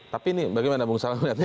tapi ini bagaimana bung salam